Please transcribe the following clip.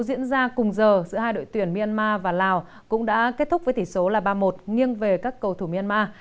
diễn ra cùng giờ giữa hai đội tuyển myanmar và lào cũng đã kết thúc với tỷ số là ba một nghiêng về các cầu thủ myanmar